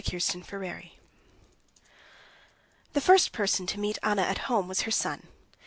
Chapter 32 The first person to meet Anna at home was her son.